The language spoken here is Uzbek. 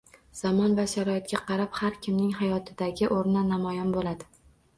Zamon va sharoitga qarab har kimning hayotdagi o’rni namoyon bo’ladi